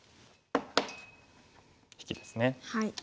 引きですね。